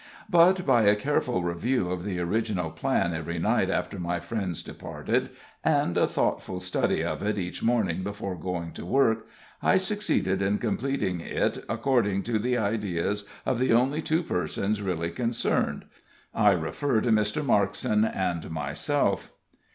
But, by a careful review of the original plan every night after my friends departed, and a thoughtful study of it each morning before going to work, I succeeded in completing it according to the ideas of the only two persons really concerned I refer to Mr. Markson and myself.